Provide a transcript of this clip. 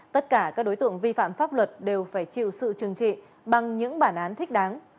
tất cả các đối tượng vi phạm pháp luật đều phải chịu sự trừng trị bằng những bản án thích đáng